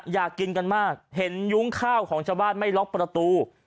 อยากกินกันมากเห็นยุ้งข้าวของชาวบ้านไม่ล็อกประตู